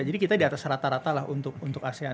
jadi kita diatas rata rata lah untuk asean